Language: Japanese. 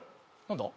何だ？